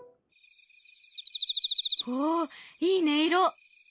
おいい音色。